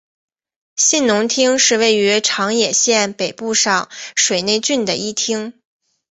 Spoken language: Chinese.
信浓町是位于长野县北部上水内郡的一町。